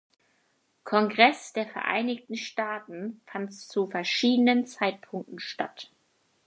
Kongress der Vereinigten Staaten fand zu verschiedenen Zeitpunkten statt.